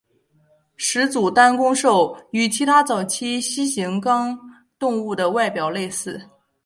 始祖单弓兽与其他早期蜥形纲动物的外表类似。